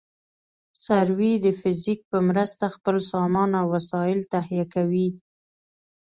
سروې د فزیک په مرسته خپل سامان او وسایل تهیه کوي